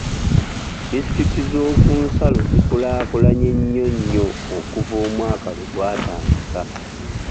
Disitulikiti z'okunsalo zi kulaakulanye nnyo nnyo okuva omwaka lwe gwatandika.